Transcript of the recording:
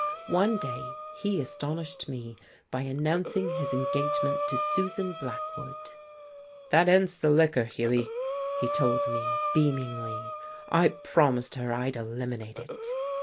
One day he astonished me by announcing his engagement to Susan Blackwood. "That ends the liquor, Hughie," he told me, beamingly. "I promised her I'd eliminate it."